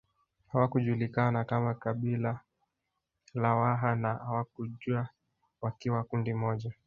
Hawakujulikana kama kabila la Waha na hawakuja wakiwa kundi moja